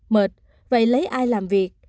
mệt vậy lấy ai làm việc